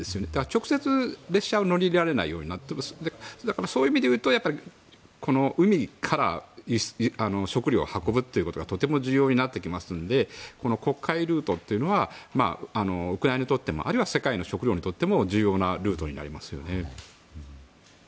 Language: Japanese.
直接、列車が乗り入れられないようになっていてそういう意味で言うと海から食糧を運ぶということがとても重要になってきますので黒海ルートというのはウクライナにとってもあるいは世界の食糧にとっても重要なルートになりますよね。